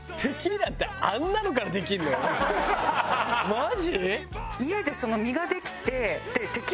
マジ？